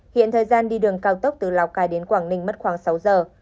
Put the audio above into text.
hiện thời gian đi đường cao tốc từ lào cai đến quảng ninh mất khoảng sáu giờ